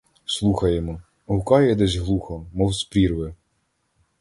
Слухаємо: гукає десь глухо, мов з прірви.